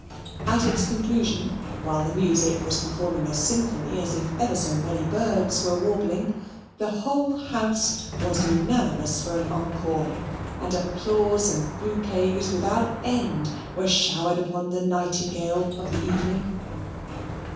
At its conclusion (while the music was performing a symphony as if ever so many birds were warbling) the whole house was unanimous for an encore: and applause and bouquets without end were showered upon the Nightingale of the evening.